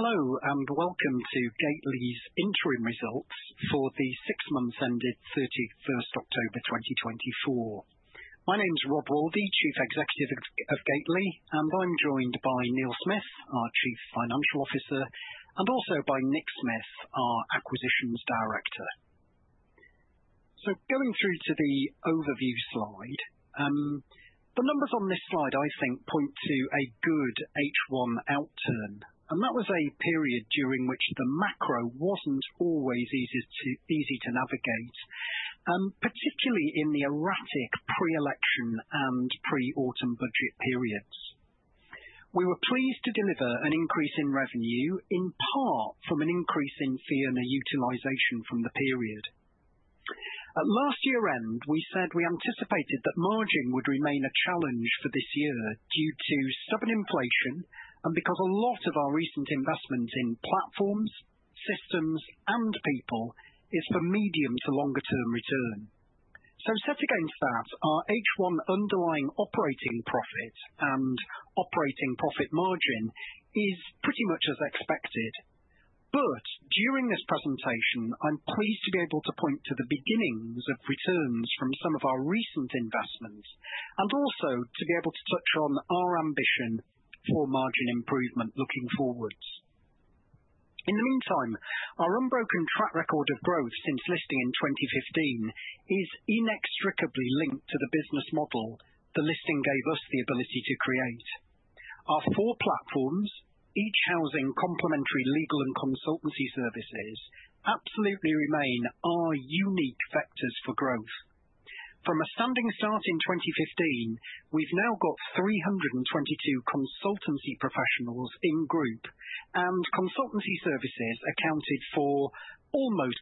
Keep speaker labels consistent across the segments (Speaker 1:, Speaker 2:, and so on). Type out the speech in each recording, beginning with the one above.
Speaker 1: Hello, and welcome to Gateley's interim results for the six months ended 31 October 2024. My name's Rod Waldie, Chief Executive of Gateley, and I'm joined by Neil Smith, our Chief Financial Officer, and also by Nick Smith, our Acquisitions Director, so going through to the overview slide, the numbers on this slide I think point to a good H1 outturn, and that was a period during which the macro wasn't always easy to navigate, particularly in the erratic pre-election and pre-Autumn Budget periods. We were pleased to deliver an increase in revenue, in part from an increase in fee earner utilization from the period. At last year's end, we said we anticipated that margin would remain a challenge for this year due to stubborn inflation and because a lot of our recent investments in platforms, systems, and people is for medium to longer-term return. So, set against that, our H1 underlying operating profit and operating profit margin is pretty much as expected. But during this presentation, I'm pleased to be able to point to the beginnings of returns from some of our recent investments and also to be able to touch on our ambition for margin improvement looking forward. In the meantime, our unbroken track record of growth since listing in 2015 is inextricably linked to the business model the listing gave us the ability to create. Our four platforms, each housing complementary legal and consultancy services, absolutely remain our unique vectors for growth. From a standing start in 2015, we've now got 322 consultancy professionals in Group, and consultancy services accounted for almost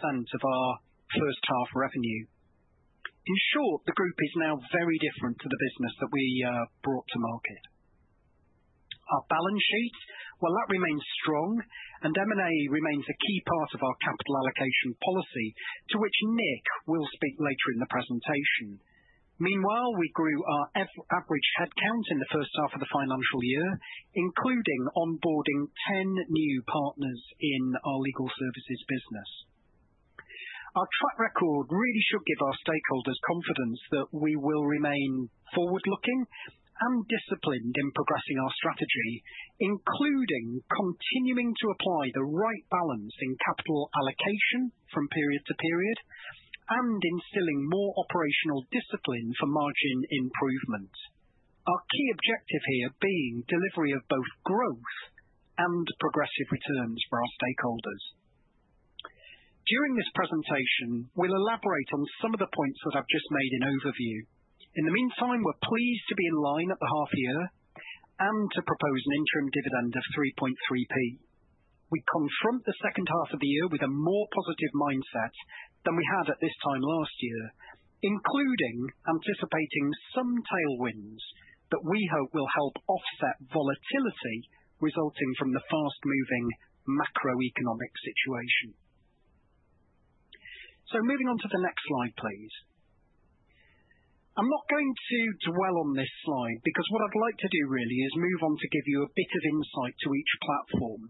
Speaker 1: 30% of our first half revenue. In short, the Group is now very different to the business that we brought to market. Our balance sheet, well, that remains strong, and M&A remains a key part of our capital allocation policy to which Nick will speak later in the presentation. Meanwhile, we grew our average headcount in the first half of the financial year, including onboarding 10 new partners in our legal services business. Our track record really should give our stakeholders confidence that we will remain forward-looking and disciplined in progressing our strategy, including continuing to apply the right balance in capital allocation from period to period and instilling more operational discipline for margin improvement. Our key objective here being delivery of both growth and progressive returns for our stakeholders. During this presentation, we'll elaborate on some of the points that I've just made in overview. In the meantime, we're pleased to be in line at the half year and to propose an interim dividend of 3.3p. We confront the second half of the year with a more positive mindset than we had at this time last year, including anticipating some tailwinds that we hope will help offset volatility resulting from the fast-moving macroeconomic situation, so moving on to the next slide, please. I'm not going to dwell on this slide because what I'd like to do really is move on to give you a bit of insight to each platform.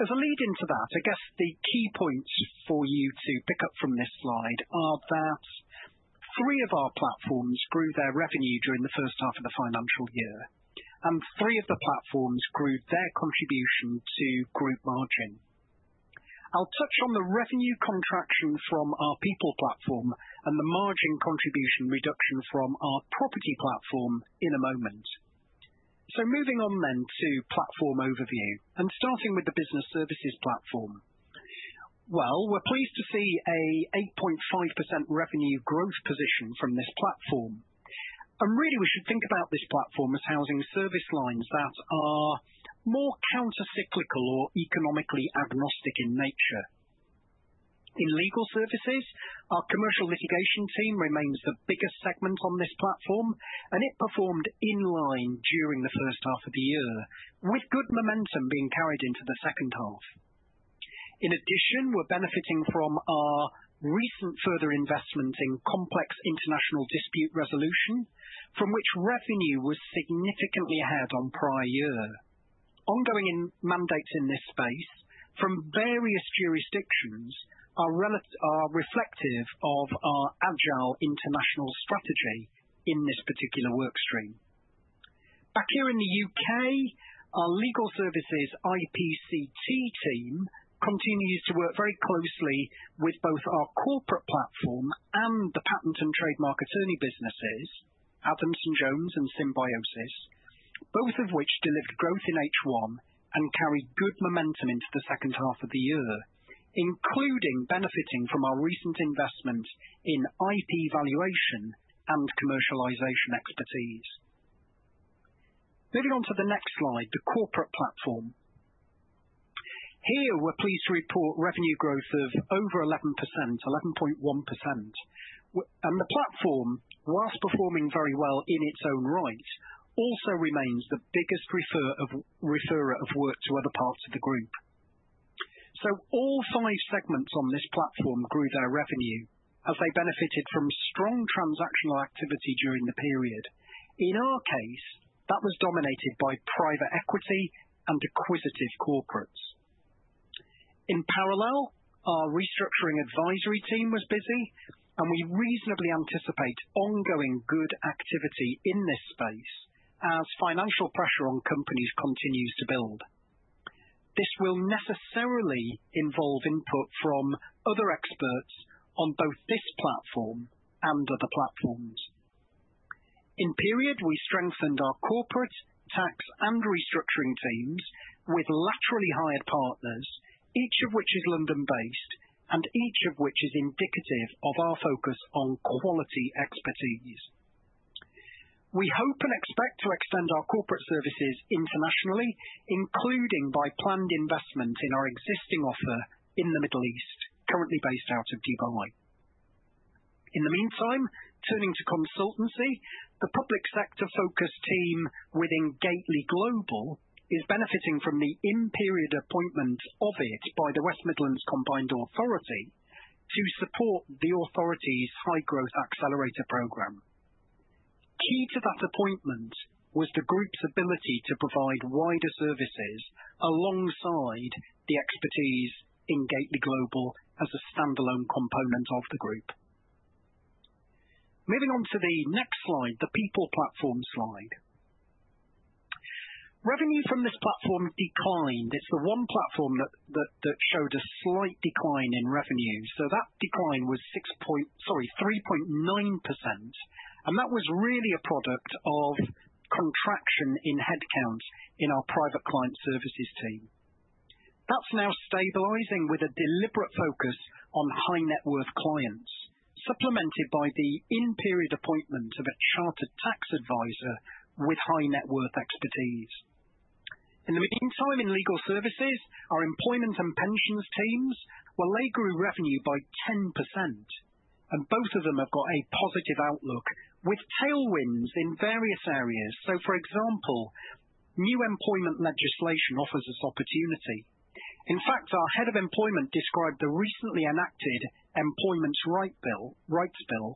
Speaker 1: As a lead into that, I guess the key points for you to pick up from this slide are that three of our platforms grew their revenue during the first half of the financial year, and three of the platforms grew their contribution to Group margin. I'll touch on the revenue contraction from our People Platform and the margin contribution reduction from our Property Platform in a moment. Moving on then to platform overview and starting with the Business Services Platform. We're pleased to see an 8.5% revenue growth position from this platform. Really, we should think about this platform as housing service lines that are more countercyclical or economically agnostic in nature. In legal services, our commercial litigation team remains the biggest segment on this platform, and it performed in line during the first half of the year, with good momentum being carried into the second half. In addition, we're benefiting from our recent further investment in complex international dispute resolution, from which revenue was significantly ahead on prior year. Ongoing mandates in this space from various jurisdictions are reflective of our agile international strategy in this particular workstream. Back here in the U.K., our legal services IPCT team continues to work very closely with both our Corporate Platform and the patent and trademark attorney businesses, Adamson Jones and Symbiosis, both of which delivered growth in H1 and carried good momentum into the second half of the year, including benefiting from our recent investment in IP valuation and commercialization expertise. Moving on to the next slide, the Corporate Platform. Here, we're pleased to report revenue growth of over 11%, 11.1%. And the platform, whilst performing very well in its own right, also remains the biggest referrer of work to other parts of the Group. So, all five segments on this platform grew their revenue as they benefited from strong transactional activity during the period. In our case, that was dominated by private equity and acquisitive corporates. In parallel, our restructuring advisory team was busy, and we reasonably anticipate ongoing good activity in this space as financial pressure on companies continues to build. This will necessarily involve input from other experts on both this platform and other platforms. In-period, we strengthened our corporate, tax, and restructuring teams with laterally hired partners, each of which is London-based and each of which is indicative of our focus on quality expertise. We hope and expect to extend our corporate services internationally, including by planned investment in our existing offer in the Middle East, currently based out of Dubai. In the meantime, turning to consultancy, the public sector focus team within Gateley Global is benefiting from the in-period appointment of it by the West Midlands Combined Authority to support the authority's High Growth Accelerator Program. Key to that appointment was the Group's ability to provide wider services alongside the expertise in Gateley Global as a standalone component of the Group. Moving on to the next slide, the People Platform slide. Revenue from this platform declined. It's the one platform that showed a slight decline in revenue. So, that decline was 6 point—sorry, 3.9%, and that was really a product of contraction in headcount in our private client services team. That's now stabilizing with a deliberate focus on high-net-worth clients, supplemented by the in-period appointment of a chartered tax advisor with high-net-worth expertise. In the meantime, in legal services, our employment and pensions teams, well, they grew revenue by 10%, and both of them have got a positive outlook with tailwinds in various areas. So, for example, new employment legislation offers us opportunity. In fact, our head of employment described the recently enacted Employment Rights Bill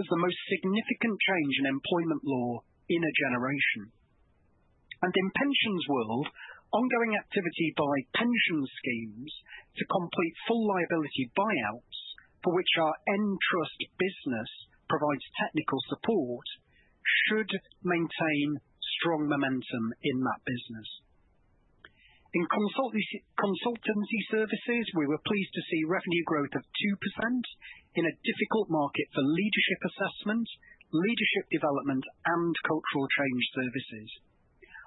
Speaker 1: as the most significant change in employment law in a generation. And in pensions world, ongoing activity by pension schemes to complete full liability buyouts for which our Entrust business provides technical support should maintain strong momentum in that business. In consultancy services, we were pleased to see revenue growth of 2% in a difficult market for leadership assessment, leadership development, and cultural change services.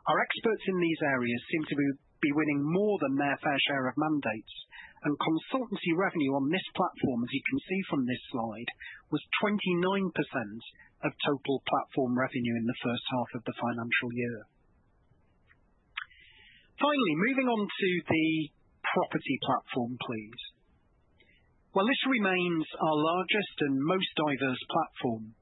Speaker 1: Our experts in these areas seem to be winning more than their fair share of mandates, and consultancy revenue on this platform, as you can see from this slide, was 29% of total platform revenue in the first half of the financial year. Finally, moving on to the Property Platform, please. Well, this remains our largest and most diverse platform.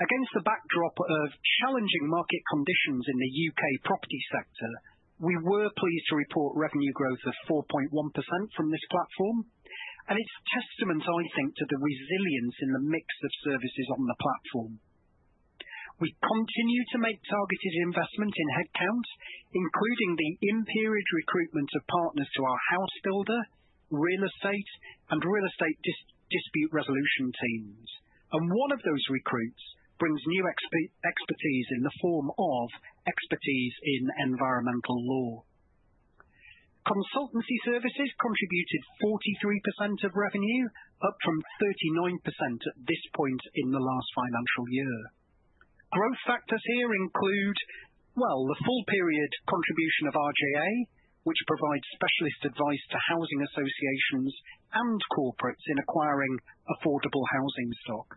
Speaker 1: Against the backdrop of challenging market conditions in the U.K. property sector, we were pleased to report revenue growth of 4.1% from this platform, and it's testament, I think, to the resilience in the mix of services on the platform. We continue to make targeted investment in headcount, including the in-period recruitment of partners to our housebuilder, real estate, and real estate dispute resolution teams. One of those recruits brings new expertise in the form of expertise in environmental law. Consultancy services contributed 43% of revenue, up from 39% at this point in the last financial year. Growth factors here include, well, the full period contribution of RJA, which provides specialist advice to housing associations and corporates in acquiring affordable housing stock,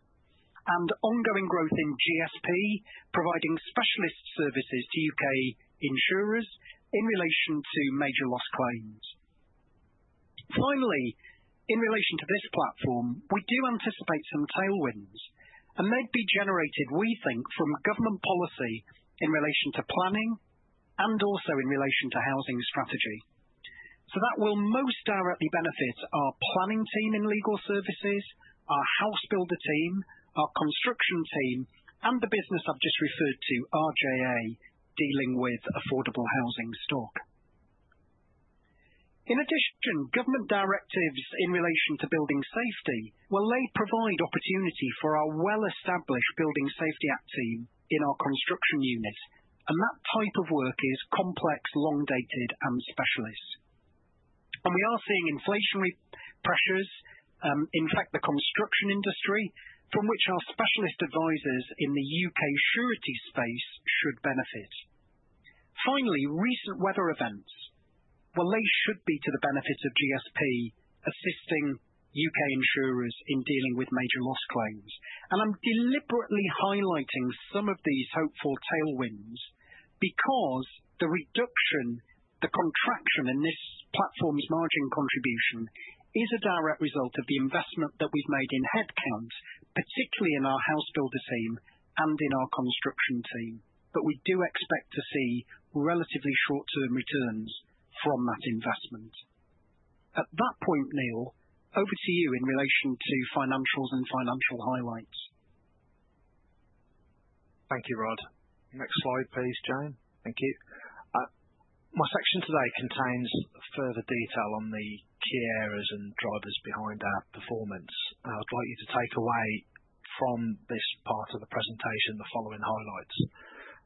Speaker 1: and ongoing growth in GSP, providing specialist services to U.K. insurers in relation to major loss claims. Finally, in relation to this platform, we do anticipate some tailwinds, and they'd be generated, we think, from government policy in relation to planning and also in relation to housing strategy. So, that will most directly benefit our planning team in legal services, our housebuilder team, our construction team, and the business I've just referred to, RJA, dealing with affordable housing stock. In addition, government directives in relation to building safety, well, they provide opportunity for our well-established Building Safety Act team in our construction unit, and that type of work is complex, long-dated, and specialist. And we are seeing inflationary pressures, in fact, the construction industry, from which our specialist advisors in the U.K. surety space should benefit. Finally, recent weather events, well, they should be to the benefit of GSP assisting U.K. insurers in dealing with major loss claims. I'm deliberately highlighting some of these hopeful tailwinds because the reduction, the contraction in this platform's margin contribution is a direct result of the investment that we've made in headcount, particularly in our housebuilder team and in our construction team. We do expect to see relatively short-term returns from that investment. At that point, Neil, over to you in relation to financials and financial highlights.
Speaker 2: Thank you, Rod. Next slide, please, James. Thank you. My section today contains further detail on the key areas and drivers behind our performance. I'd like you to take away from this part of the presentation the following highlights: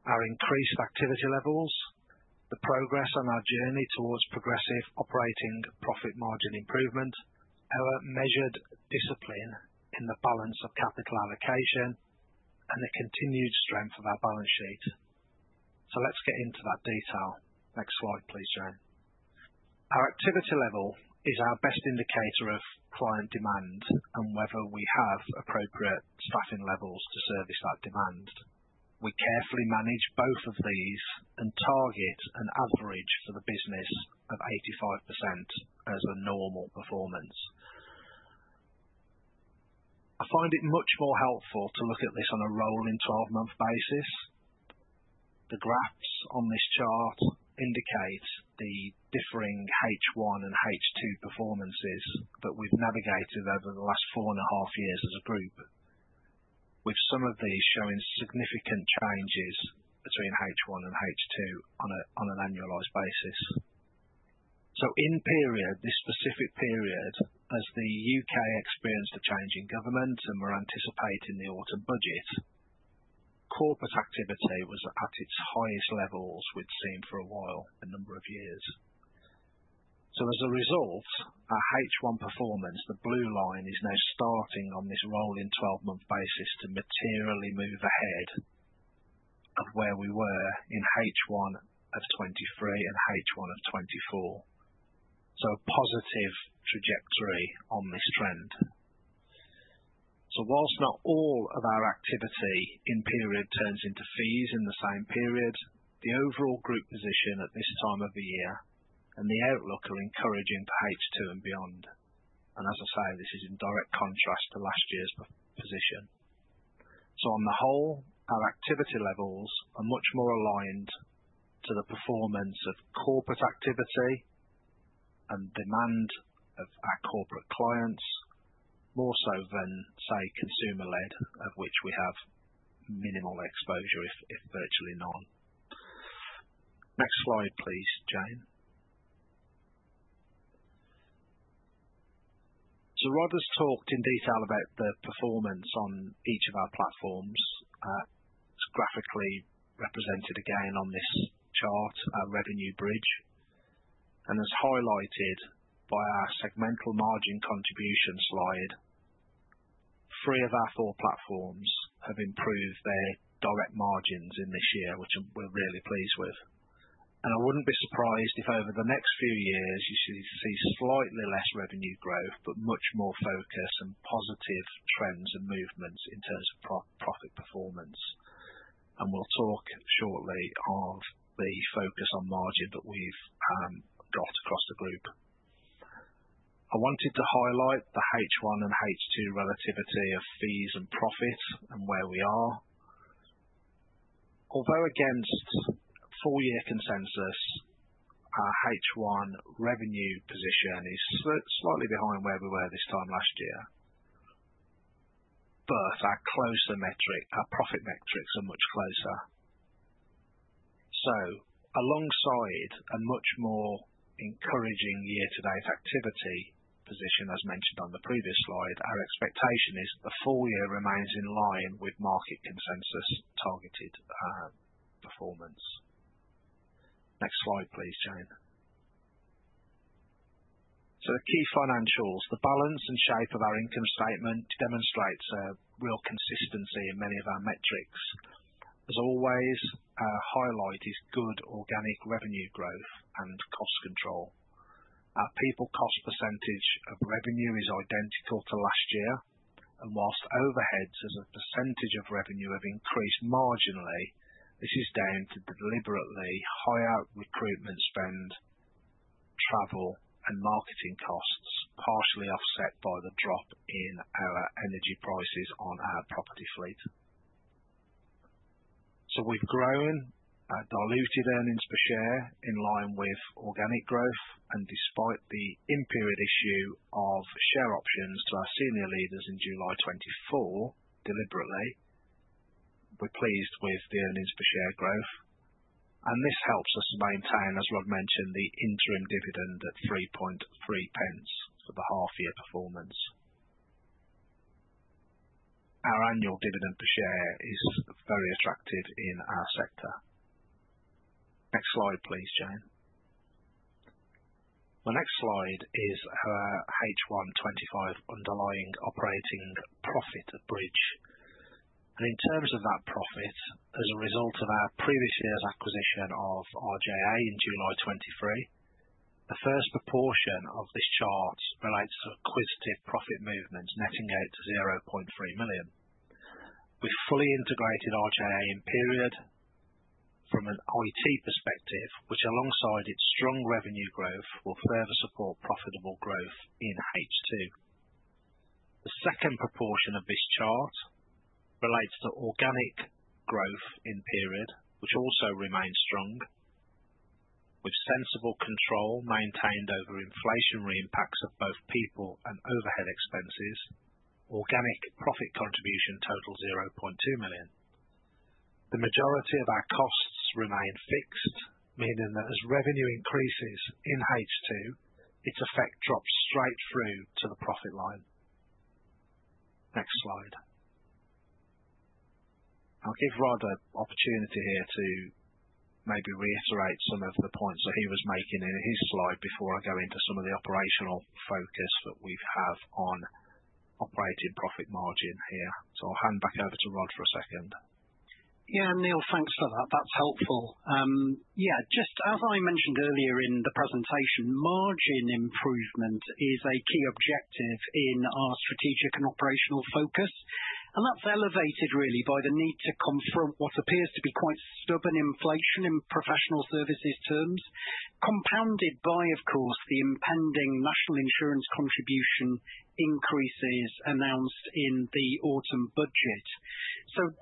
Speaker 2: our increased activity levels, the progress on our journey towards progressive operating profit margin improvement, our measured discipline in the balance of capital allocation, and the continued strength of our balance sheet. Let's get into that detail. Next slide, please, James. Our activity level is our best indicator of client demand and whether we have appropriate staffing levels to service that demand. We carefully manage both of these and target an average for the business of 85% as a normal performance. I find it much more helpful to look at this on a rolling 12-month basis. The graphs on this chart indicate the differing H1 and H2 performances that we've navigated over the last four and a half years as a Group, with some of these showing significant changes between H1 and H2 on an annualized basis, so in period, this specific period, as the U.K. experienced a change in government and we're anticipating the Autumn Budget. Corporate activity was at its highest levels we'd seen for a while, a number of years. As a result, our H1 performance, the blue line, is now starting on this rolling 12-month basis to materially move ahead of where we were in H1 of 2023 and H1 of 2024. A positive trajectory on this trend. Whilst not all of our activity in period turns into fees in the same period, the overall Group position at this time of the year and the outlook are encouraging for H2 and beyond. And as I say, this is in direct contrast to last year's position. On the whole, our activity levels are much more aligned to the performance of corporate activity and demand of our corporate clients, more so than, say, consumer-led, of which we have minimal exposure, if virtually none. Next slide, please, James. Rod has talked in detail about the performance on each of our platforms. It's graphically represented again on this chart, our revenue bridge. As highlighted by our segmental margin contribution slide, three of our four platforms have improved their direct margins in this year, which we're really pleased with. I wouldn't be surprised if over the next few years you see slightly less revenue growth, but much more focus and positive trends and movements in terms of profit performance. We'll talk shortly of the focus on margin that we've got across the Group. I wanted to highlight the H1 and H2 relativity of fees and profits and where we are. Although against forward consensus, our H1 revenue position is slightly behind where we were this time last year, but our profit metrics are much closer. So, alongside a much more encouraging year-to-date activity position, as mentioned on the previous slide, our expectation is that the full year remains in line with market consensus targeted performance. Next slide, please, James. So, the key financials, the balance and shape of our income statement demonstrates a real consistency in many of our metrics. As always, our highlight is good organic revenue growth and cost control. Our people cost percentage of revenue is identical to last year. And whilst overheads as a percentage of revenue have increased marginally, this is down to the deliberately higher recruitment spend, travel, and marketing costs, partially offset by the drop in our energy prices on our property fleet. So, we've grown our diluted earnings per share in line with organic growth. And despite the in-period issue of share options to our senior leaders in July 2024, deliberately, we're pleased with the earnings per share growth. And this helps us maintain, as Rod mentioned, the interim dividend at 3.3p for the half-year performance. Our annual dividend per share is very attractive in our sector. Next slide, please, James. The next slide is our H1 2025 underlying operating profit bridge. And in terms of that profit, as a result of our previous year's acquisition of RJA in July 2023, the first proportion of this chart relates to acquisitive profit movements netting out to 0.3 million. We've fully integrated RJA in period from an IT perspective, which alongside its strong revenue growth will further support profitable growth in H2. The second proportion of this chart relates to organic growth in period, which also remains strong. With sensible control maintained over inflationary impacts of both people and overhead expenses, organic profit contribution totaled 0.2 million. The majority of our costs remain fixed, meaning that as revenue increases in H2, its effect drops straight through to the profit line. Next slide. I'll give Rod an opportunity here to maybe reiterate some of the points that he was making in his slide before I go into some of the operational focus that we have on operating profit margin here. So, I'll hand back over to Rod for a second.
Speaker 1: Yeah, Neil, thanks for that. That's helpful. yeah, just as I mentioned earlier in the presentation, margin improvement is a key objective in our strategic and operational focus. And that's elevated, really, by the need to confront what appears to be quite stubborn inflation in professional services terms, compounded by, of course, the impending national insurance contribution increases announced in the Autumn Budget.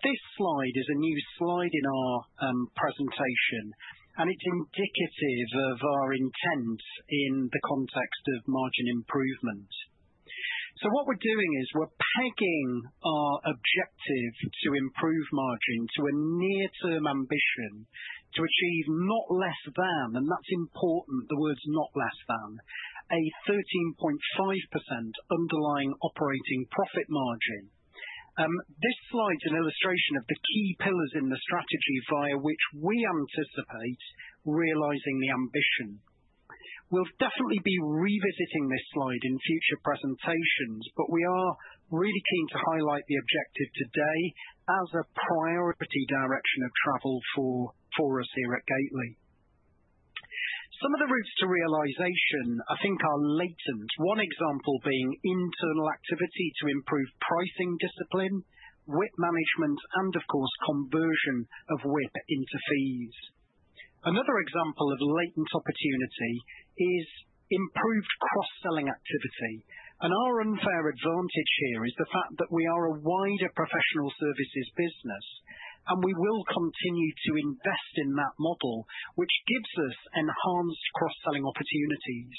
Speaker 1: This slide is a new slide in our presentation, and it's indicative of our intent in the context of margin improvement. What we're doing is we're pegging our objective to improve margin to a near-term ambition to achieve not less than, and that's important, the words not less than, a 13.5% underlying operating profit margin. This slide's an illustration of the key pillars in the strategy via which we anticipate realizing the ambition. We'll definitely be revisiting this slide in future presentations, but we are really keen to highlight the objective today as a priority direction of travel for us here at Gateley. Some of the routes to realization, I think, are latent, one example being internal activity to improve pricing discipline, WIP management, and, of course, conversion of WIP into fees. Another example of latent opportunity is improved cross-selling activity. And our unfair advantage here is the fact that we are a wider professional services business, and we will continue to invest in that model, which gives us enhanced cross-selling opportunities.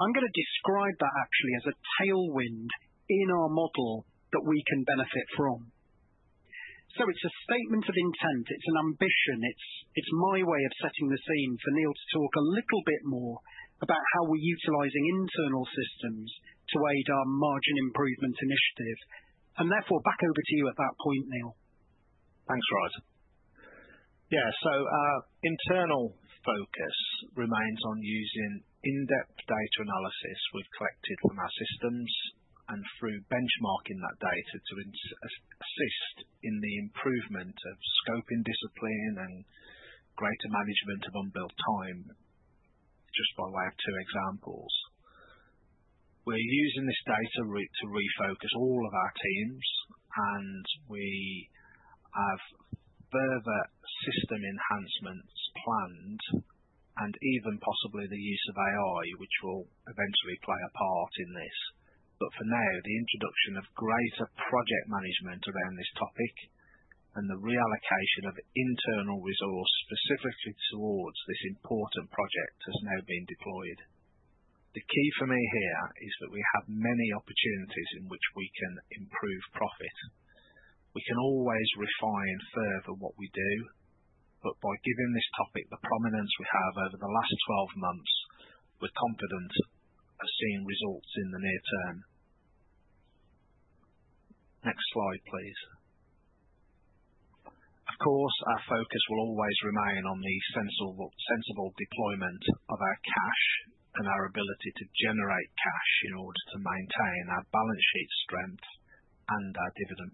Speaker 1: I'm going to describe that actually as a tailwind in our model that we can benefit from. So, it's a statement of intent. It's an ambition. It's my way of setting the scene for Neil to talk a little bit more about how we're utilizing internal systems to aid our margin improvement initiative. And therefore, back over to you at that point, Neil.
Speaker 2: Thanks, Rod. Yeah, so, internal focus remains on using in-depth data analysis we've collected from our systems and through benchmarking that data to assist in the improvement of scoping discipline and greater management of unbilled time, just by way of two examples. We're using this data to refocus all of our teams, and we have further system enhancements planned, and even possibly the use of AI, which will eventually play a part in this. But for now, the introduction of greater project management around this topic and the reallocation of internal resource specifically towards this important project has now been deployed. The key for me here is that we have many opportunities in which we can improve profit. We can always refine further what we do, but by giving this topic the prominence we have over the last 12 months, we're confident of seeing results in the near term. Next slide, please. Of course, our focus will always remain on the sensible deployment of our cash and our ability to generate cash in order to maintain our balance sheet strength and our dividend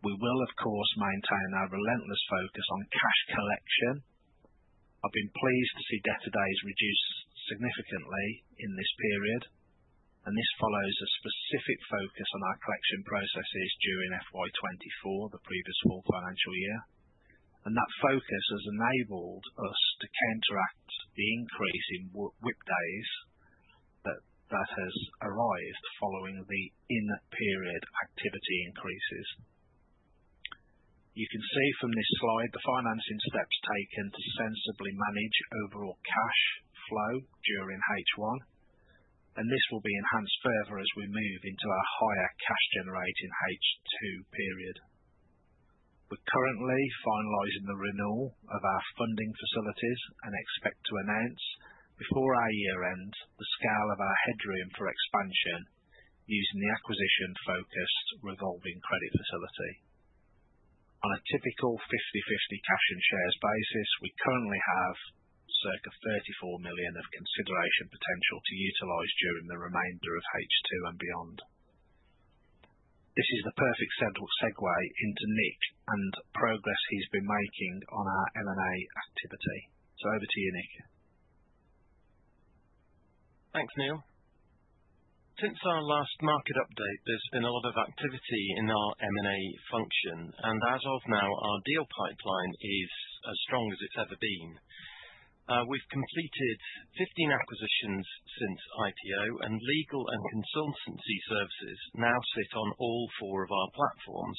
Speaker 2: policy. We will, of course, maintain our relentless focus on cash collection. I've been pleased to see debtor days reduced significantly in this period. And this follows a specific focus on our collection processes during FY 2024, the previous full financial year. And that focus has enabled us to counteract the increase in WIP days that has arrived following the in-period activity increases. You can see from this slide the financing steps taken to sensibly manage overall cash flow during H1. And this will be enhanced further as we move into our higher cash-generating H2 period. We're currently finalizing the renewal of our funding facilities and expect to announce before our year end the scale of our headroom for expansion using the acquisition-focused revolving credit facility. On a typical 50-50 cash and shares basis, we currently have circa 34 million of consideration potential to utilize during the remainder of H2 and beyond. This is the perfect segue into Nick and progress he's been making on our M&A activity. So, over to you, Nick.
Speaker 3: Thanks, Neil. Since our last market update, there's been a lot of activity in our M&A function. And as of now, our deal pipeline is as strong as it's ever been. We've completed 15 acquisitions since IPO, and legal and consultancy services now sit on all four of our platforms.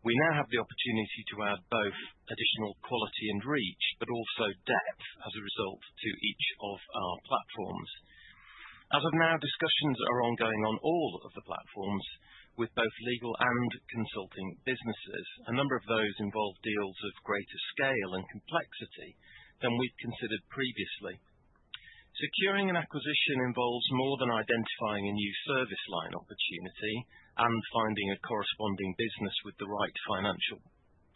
Speaker 3: We now have the opportunity to add both additional quality and reach, but also depth as a result to each of our platforms. As of now, discussions are ongoing on all of the platforms with both legal and consulting businesses. A number of those involve deals of greater scale and complexity than we've considered previously. Securing an acquisition involves more than identifying a new service line opportunity and finding a corresponding business with the right financial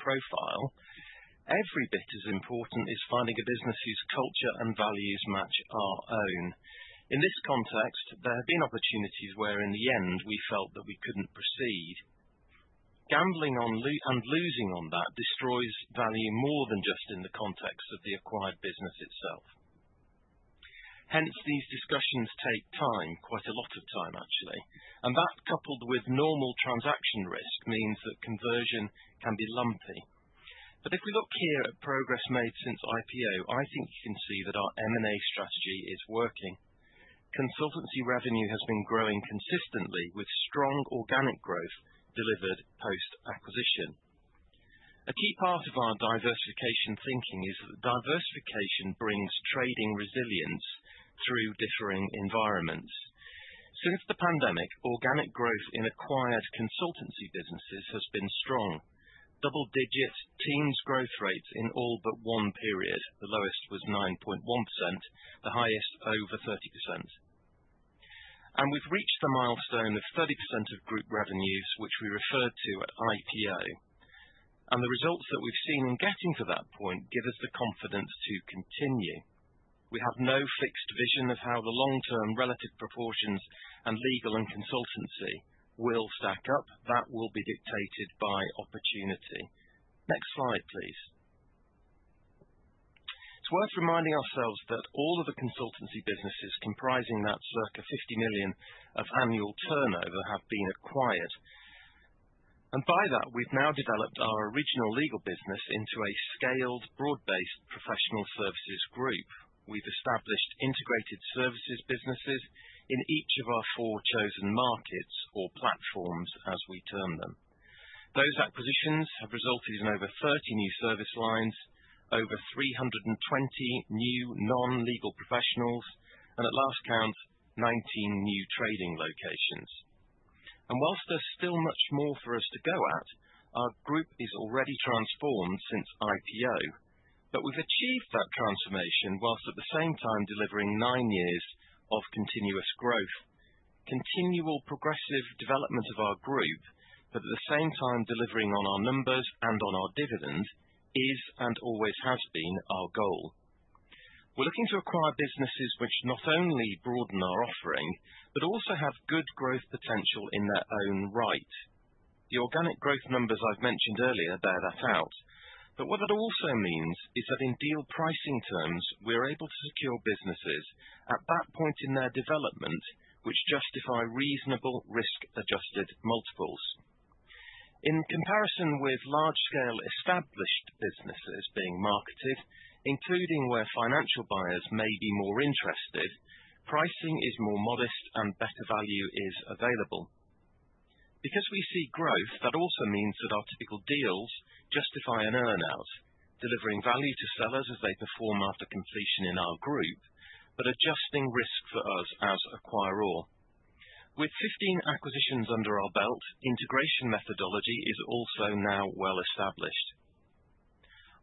Speaker 3: profile. Every bit as important is finding a business whose culture and values match our own. In this context, there have been opportunities where in the end we felt that we couldn't proceed. Gambling on and losing on that destroys value more than just in the context of the acquired business itself. Hence, these discussions take time, quite a lot of time, actually. And that, coupled with normal transaction risk, means that conversion can be lumpy. But if we look here at progress made since IPO, I think you can see that our M&A strategy is working. Consultancy revenue has been growing consistently with strong organic growth delivered post-acquisition. A key part of our diversification thinking is that diversification brings trading resilience through differing environments. Since the pandemic, organic growth in acquired consultancy businesses has been strong. Double-digit teams growth rates in all but one period. The lowest was 9.1%, the highest over 30%. We've reached the milestone of 30% of Group revenues, which we referred to at IPO. The results that we've seen in getting to that point give us the confidence to continue. We have no fixed vision of how the long-term relative proportions and legal and consultancy will stack up. That will be dictated by opportunity. Next slide, please. It's worth reminding ourselves that all of the consultancy businesses comprising that circa 50 million of annual turnover have been acquired. And by that, we've now developed our original legal business into a scaled broad-based professional services group. We've established integrated services businesses in each of our four chosen markets or platforms, as we term them. Those acquisitions have resulted in over 30 new service lines, over 320 new non-legal professionals, and at last count, 19 new trading locations. And whilst there's still much more for us to go at, our Group is already transformed since IPO. But we've achieved that transformation whilst at the same time delivering nine years of continuous growth. Continual progressive development of our Group, but at the same time delivering on our numbers and on our dividend, is and always has been our goal. We're looking to acquire businesses which not only broaden our offering, but also have good growth potential in their own right. The organic growth numbers I've mentioned earlier bear that out. But what that also means is that in deal pricing terms, we're able to secure businesses at that point in their development, which justify reasonable risk-adjusted multiples. In comparison with large-scale established businesses being marketed, including where financial buyers may be more interested, pricing is more modest and better value is available. Because we see growth, that also means that our typical deals justify an earnout, delivering value to sellers as they perform after completion in our Group, but adjusting risk for us as acquirer. With 15 acquisitions under our belt, integration methodology is also now well established.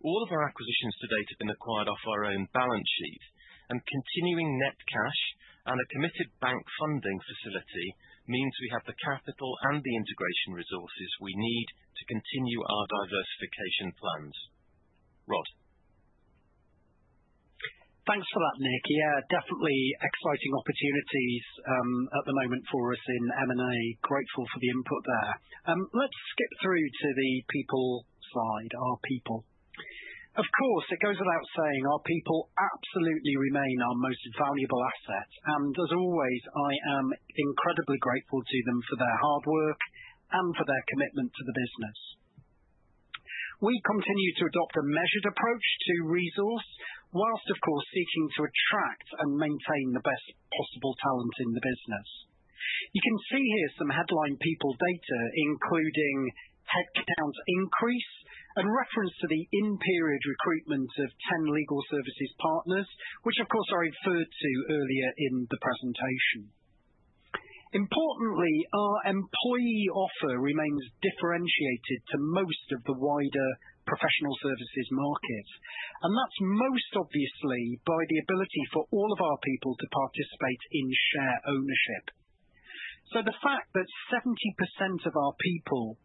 Speaker 3: All of our acquisitions to date have been acquired off our own balance sheet, and continuing net cash and a committed bank funding facility means we have the capital and the integration resources we need to continue our diversification plans. Rod.
Speaker 1: Thanks for that, Nick. Yeah, definitely exciting opportunities at the moment for us in M&A. Grateful for the input there. Let's skip through to the people side, our people. Of course, it goes without saying our people absolutely remain our most valuable asset. And as always, I am incredibly grateful to them for their hard work and for their commitment to the business. We continue to adopt a measured approach to resource, whilst, of course, seeking to attract and maintain the best possible talent in the business. You can see here some headline people data, including headcount increase and reference to the in-period recruitment of 10 legal services partners, which, of course, I referred to earlier in the presentation. Importantly, our employee offer remains differentiated to most of the wider professional services market. And that's most obviously by the ability for all of our people to participate in share ownership. The fact that 70% of our people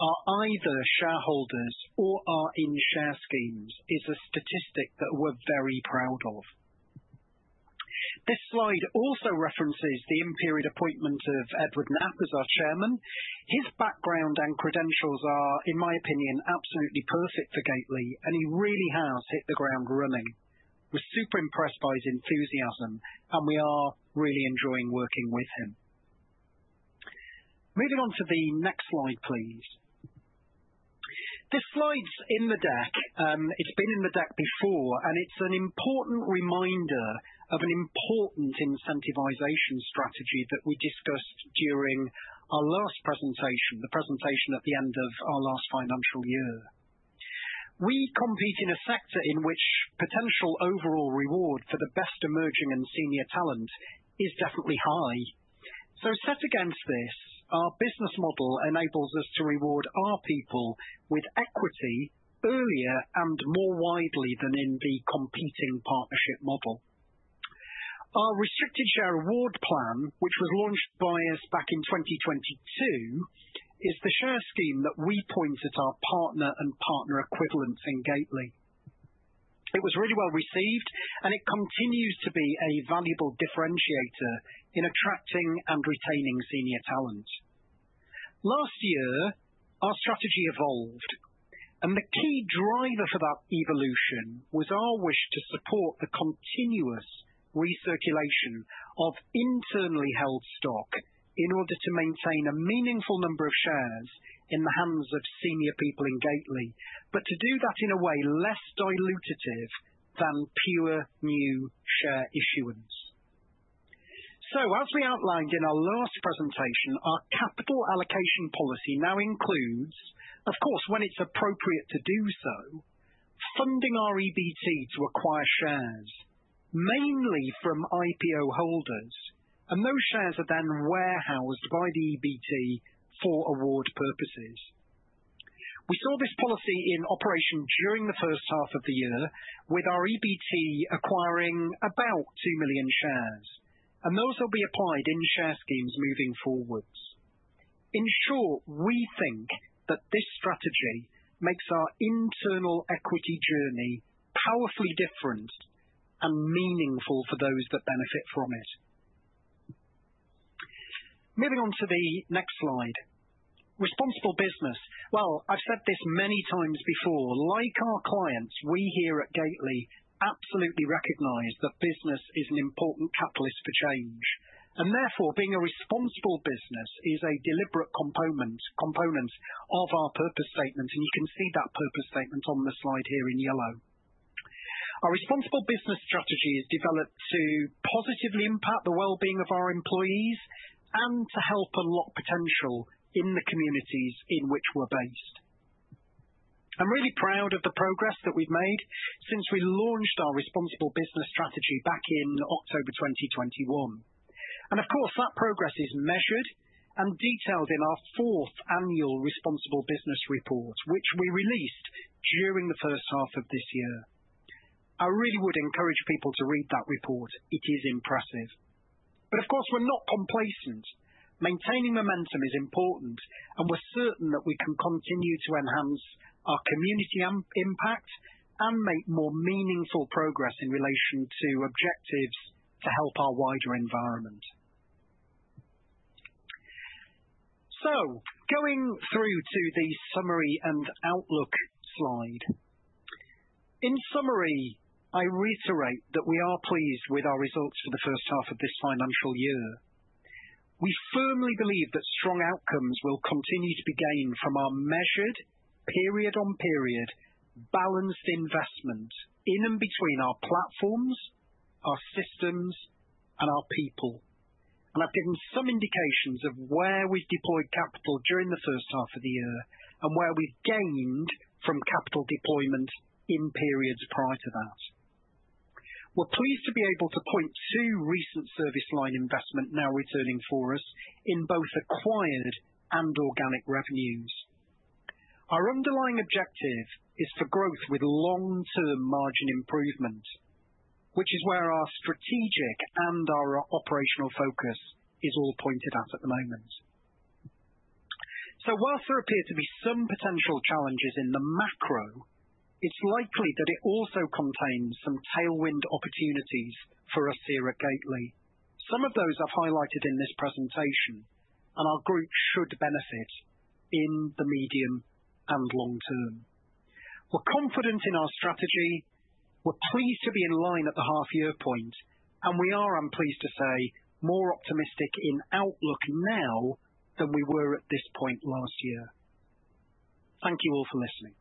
Speaker 1: are either shareholders or are in share schemes is a statistic that we're very proud of. This slide also references the in-period appointment of Edward Knapp as our chairman. His background and credentials are, in my opinion, absolutely perfect for Gateley, and he really has hit the ground running. We're super impressed by his enthusiasm, and we are really enjoying working with him. Moving on to the next slide, please. This slide's in the deck. It's been in the deck before, and it's an important reminder of an important incentivization strategy that we discussed during our last presentation, the presentation at the end of our last financial year. We compete in a sector in which potential overall reward for the best emerging and senior talent is definitely high. So set against this, our business model enables us to reward our people with equity earlier and more widely than in the competing partnership model. Our Restricted Share Award Plan, which was launched by us back in 2022, is the share scheme that we point at our partner and partner equivalents in Gateley. It was really well received, and it continues to be a valuable differentiator in attracting and retaining senior talent. Last year, our strategy evolved, and the key driver for that evolution was our wish to support the continuous recirculation of internally held stock in order to maintain a meaningful number of shares in the hands of senior people in Gateley, but to do that in a way less dilutative than pure new share issuance. As we outlined in our last presentation, our capital allocation policy now includes, of course, when it's appropriate to do so, funding our EBT to acquire shares, mainly from IPO holders, and those shares are then warehoused by the EBT for award purposes. We saw this policy in operation during the first half of the year, with our EBT acquiring about two million shares, and those will be applied in share schemes moving forwards. In short, we think that this strategy makes our internal equity journey powerfully different and meaningful for those that benefit from it. Moving on to the next slide. Responsible business. I've said this many times before. Like our clients, we here at Gateley absolutely recognize that business is an important catalyst for change. Therefore, being a responsible business is a deliberate component of our purpose statement, and you can see that purpose statement on the slide here in yellow. Our responsible business strategy is developed to positively impact the well-being of our employees and to help unlock potential in the communities in which we're based. I'm really proud of the progress that we've made since we launched our responsible business strategy back in October 2021. Of course, that progress is measured and detailed in our fourth annual Responsible Business Report, which we released during the first half of this year. I really would encourage people to read that report. It is impressive. Of course, we're not complacent. Maintaining momentum is important, and we're certain that we can continue to enhance our community impact and make more meaningful progress in relation to objectives to help our wider environment. Going through to the summary and outlook slide. In summary, I reiterate that we are pleased with our results for the first half of this financial year. We firmly believe that strong outcomes will continue to be gained from our measured, period-on-period, balanced investment in and between our platforms, our systems, and our people. I've given some indications of where we've deployed capital during the first half of the year and where we've gained from capital deployment in periods prior to that. We're pleased to be able to point to recent service line investment now returning for us in both acquired and organic revenues. Our underlying objective is for growth with long-term margin improvement, which is where our strategic and our operational focus is all pointed at the moment. So, whilst there appear to be some potential challenges in the macro, it's likely that it also contains some tailwind opportunities for us here at Gateley. Some of those I've highlighted in this presentation, and our Group should benefit in the medium and long term. We're confident in our strategy. We're pleased to be in line at the half-year point, and we are, I'm pleased to say, more optimistic in outlook now than we were at this point last year. Thank you all for listening.